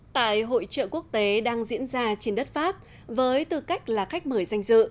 tại hội trợ quốc tế đang diễn ra trên đất pháp với tư cách là khách mời danh dự